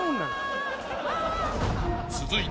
［続いて］